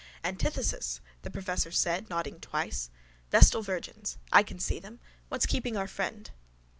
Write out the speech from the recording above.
—Antithesis, the professor said nodding twice. Vestal virgins. I can see them. What's keeping our friend?